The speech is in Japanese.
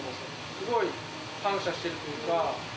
すごい感謝してるというか。